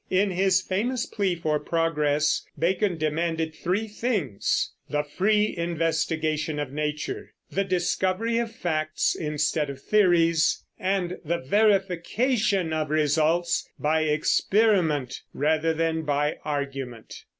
In his famous plea for progress Bacon demanded three things: the free investigation of nature, the discovery of facts instead of theories, and the verification of results by experiment rather than by argument.